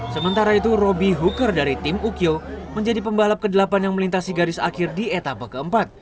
sementara itu robby huker dari tim ukyo menjadi pembalap ke delapan yang melintasi garis akhir di etapa keempat